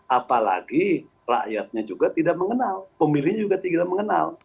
apalagi rakyatnya juga tidak mengenal pemilihnya juga tidak mengenal